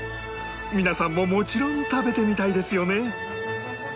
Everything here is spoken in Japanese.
皆さんももちろん食べてみたいですよね？